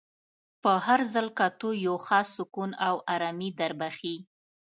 په هر ځل کتو یو خاص سکون او ارامي در بخښي.